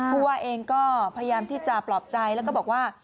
ผู้ว่าเองก็พยายามที่จะปลอบใจแล้วก็บอกว่า